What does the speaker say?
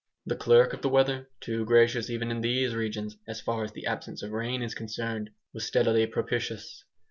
The clerk of the weather, too gracious even in these regions as far as the absence of rain is concerned, was steadily propitious.